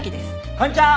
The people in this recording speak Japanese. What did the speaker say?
こんにちは！